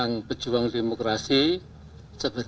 tapi kita harus tarik memori